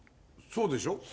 そうでしょ。